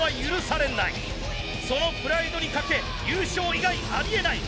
そのプライドにかけ優勝以外ありえない。